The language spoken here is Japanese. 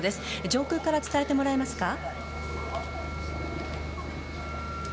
上空から伝えてもらえますか。